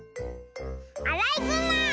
アライグマ！